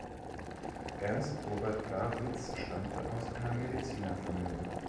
Ernst-Robert Grawitz stammte aus einer Medizinerfamilie.